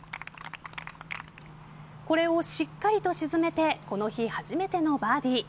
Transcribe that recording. これをしっかりと沈めてこの日初めてのバーディー。